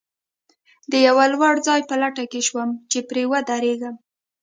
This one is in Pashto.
د یوه لوړ ځای په لټه کې شوم، چې پرې ودرېږم.